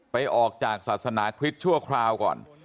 ออกจากศาสนาคริสต์ชั่วคราวก่อน